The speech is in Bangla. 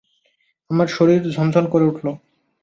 আমার শরীর ঝনঝন করে উঠল।